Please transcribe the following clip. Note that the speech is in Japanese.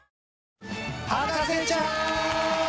『博士ちゃん』！